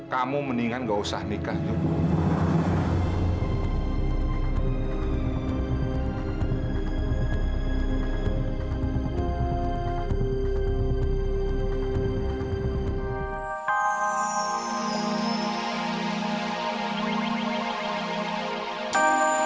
kamu mendingan gak usah nikah tuh